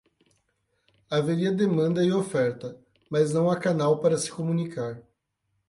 Haveria demanda e oferta, mas não há canal para se comunicar.